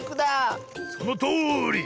そのとおり！